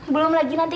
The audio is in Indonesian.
belum lagi nanti